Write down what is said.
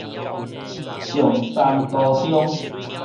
松山高中